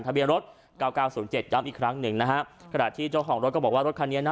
ทะเบียรถ๙๙๐๗ย้ำอีกครั้งหนึ่งนะฮะขณะที่เจ้าของรถก็บอกว่ารถคันนี้นะ